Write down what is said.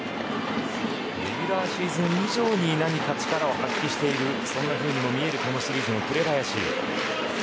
レギュラーシーズン以上に力を発揮しているそんなふうにも見えるこのシリーズの紅林。